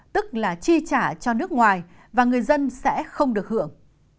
tức là chi trả cho nước ngoài và người dân sẽ không được hưởng